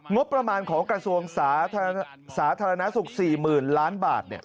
งบประมาณของกระทรวงสาธารณสุข๔๐๐๐ล้านบาท